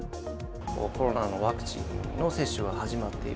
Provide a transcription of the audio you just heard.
コロナのワクチンの接種が始まっている。